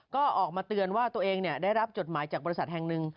ก็ออกมาเตือนว่าตัวเองได้รับจดหมายจากบริษัทแห่งหนึ่ง